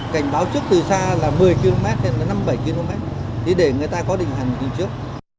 cảnh báo trước từ xa là một mươi km năm bảy km thì để người ta có định hành đi trước